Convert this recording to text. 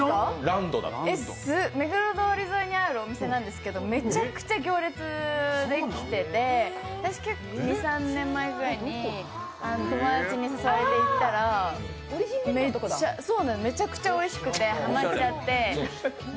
目黒通り沿いにあるお店なんですけどめちゃくちゃ行列できてて私結構２３年ぐらい前に友達に誘われて行ったらめちゃくちゃおいしくてハマっちゃって。